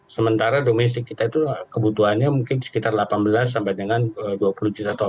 sementara domestik kita itu kebutuhannya mungkin sekitar delapan belas sampai dengan dua puluh juta ton